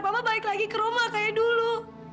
bapak balik lagi ke rumah kayak dulu